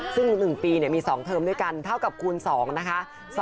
ซึ่ง๑ปีมี๒เทอมด้วยกันเท่ากับคูณ๒นะคะ